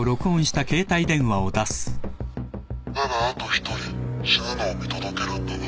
「ならあと１人死ぬのを見届けるんだな。